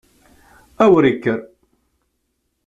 A wer ikker!